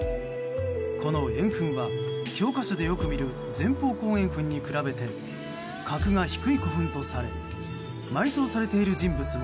この円墳は教科書でよく見る前方後円墳に比べて格が低い古墳とされ埋葬されている人物も